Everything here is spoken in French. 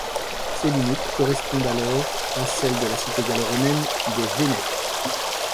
Ses limites correspondent alors, à celles de la cité gallo-romaine des Vénètes.